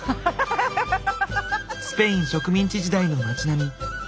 スペイン植民地時代の町並み。